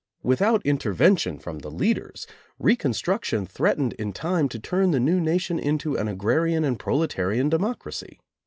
Without intervention from the leaders, reconstruction threatened in time to turn the new nation into an agrarian and proletarian democ racy.